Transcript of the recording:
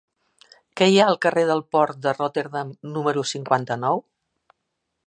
Què hi ha al carrer del Port de Rotterdam número cinquanta-nou?